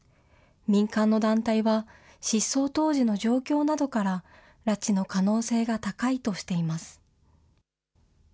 民間の団体は失踪当時の状況などから、拉致の可能性が高いとしています。